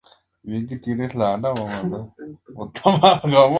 Estos tuvieron que replegarse al sur.